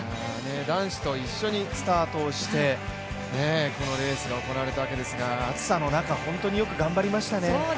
男子と一緒にスタートして、このレースが行われたわけですが、暑さの中、頑張りましたね。